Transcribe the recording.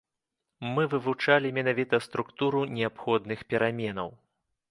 Мы вывучалі менавіта структуру неабходных пераменаў.